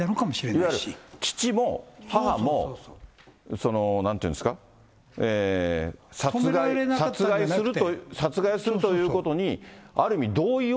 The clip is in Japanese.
いわゆる父も母も、なんていうんですか、殺害するということに、ある意味、同意を。